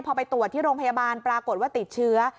พอไปตรวจที่โรงพยาบาลปรากฏว่าติดเชื้อ